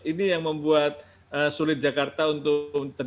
ini yang membuat sulit jakarta untuk terjadi